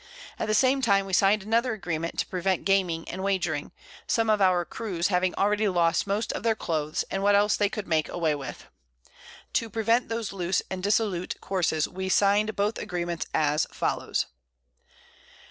At the same time we sign'd another Agreement, to prevent gaming and wagering: some of our Crews having already lost most of their Clothes, and what else they could make away with. To prevent those loose and dissolute Courses, we sign'd both Agreements as follows.